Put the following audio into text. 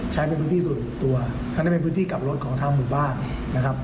ใช้เป็นพื้นที่ส่วนตัวอันนั้นเป็นพื้นที่กลับรถของทางหมู่บ้านนะครับ